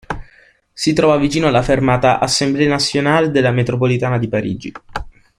Si trova vicino alla fermata Assemblée Nationale della metropolitana di Parigi.